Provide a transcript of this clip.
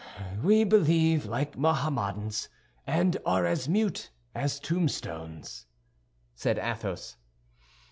"We believe like Mohammedans, and are as mute as tombstones," said Athos.